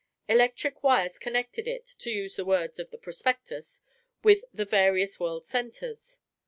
Electric wires connected it (to use the words of the prospectus) with "the various world centres."